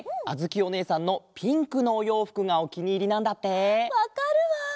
あづきおねえさんのピンクのおようふくがおきにいりなんだって！わかるわ！